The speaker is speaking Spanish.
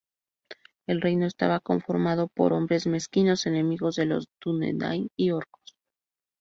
El reino estaba conformado por hombres mezquinos, enemigos de los Dúnedain, y orcos.